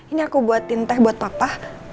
ini aku buatin teh buat papa